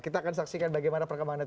kita akan saksikan bagaimana perkembangan